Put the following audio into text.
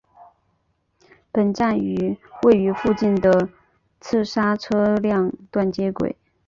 本站与位于附近的赤沙车辆段接轨。